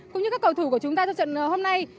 cũng như các cầu thủ của chúng ta trong trận hôm nay